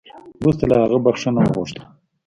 وروسته له هغه بخښنه وغوښته